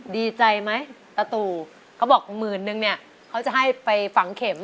ดีใจไหมตาตู่เขาบอกหมื่นนึงเนี่ยเขาจะให้ไปฝังเข็ม